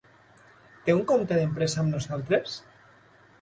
Té un compte d'empresa amb nosaltres?